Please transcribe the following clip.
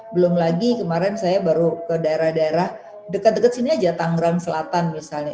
belum lagi kemarin saya baru ke daerah daerah dekat dekat sini aja tangerang selatan misalnya